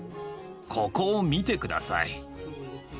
ここを見て下さい。